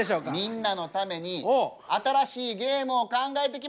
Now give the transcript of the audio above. みんなのために新しいゲームを考えてきました。